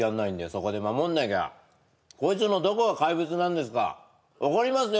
そこで守んなきゃこいつのどこが怪物なんですか怒りますよ